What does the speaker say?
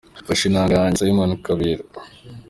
Mfashe inanga yanjye – Simon Kabera d.